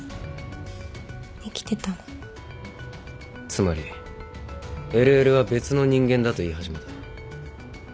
つまりＬＬは別の人間だと言い始めた。